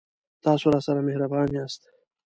تاسو راسره مهربان یاست